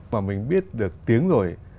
mà mình biết được tiếng rồi